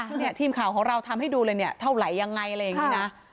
เนี่ยทีมข่าวของเราทำให้ดูเลยเนี่ยเท่าไหร่ยังไงอะไรอย่างนี้นะ